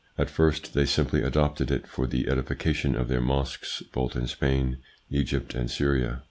At first they simply adopted it for the edification of their mosques both in Spain, Egypt, and Syria.